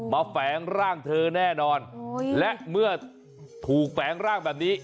แฝงร่างเธอแน่นอนและเมื่อถูกแฝงร่างแบบนี้